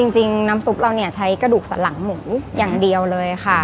จริงน้ำซุปเราเนี่ยใช้กระดูกสันหลังหมูอย่างเดียวเลยค่ะ